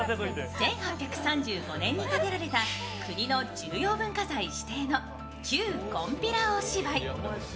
１８３５年に建てられた、国の重要文化財指定の旧金毘羅大芝居。